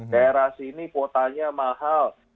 daerah sini kuotanya mahal